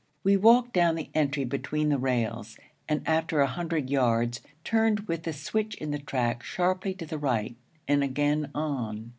We walked down the entry between the rails, and after a hundred yards turned with the switch in the track sharply to the right, and again on.